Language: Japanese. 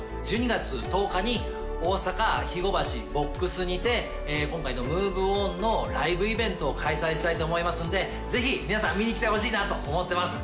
１２月１０日に大阪肥後橋ＶＯＸＸにて今回の「ＭｏｖｅＯｎ」のライブイベントを開催したいと思いますんでぜひ皆さん見に来てほしいなと思ってます